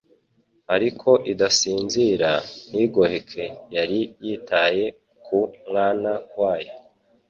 Ariko Idasinzira, ntigoheke yari yitaye ku Mwana wayo.